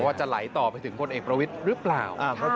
จะไหลต่อไปถึงพลเอกประวิทย์หรือเปล่า